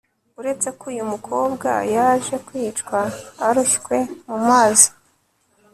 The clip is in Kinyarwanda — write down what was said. uretse ko uyu mukobwa yaje kwicwa aroshywe mu mazi